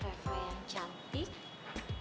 reva yang cantik